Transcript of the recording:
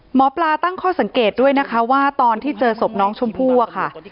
หมอปลาตั้งข้อสังเกตด้วยนะคะว่าตอนที่เจอศพน้องชมพู่อะค่ะ